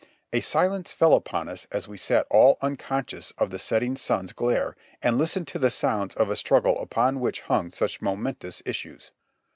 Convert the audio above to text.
A silence fell upon us as we sat all unconscious of the setting sun's glare and listened to the sounds of a struggle upon which hung such momentous issues.